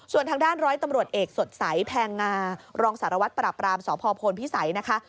ส่วนทางด้านร้อยตำรวจเอกสดใสแพงงารองสารวัตรปราบรามสพพลพิสัยนะคะ